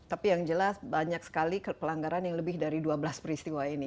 tapi yang jelas banyak sekali pelanggaran yang lebih dari dua belas peristiwa ini